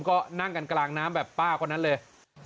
ก็นั่งกันกลางน้ำแบบป้าคนนั้นเลย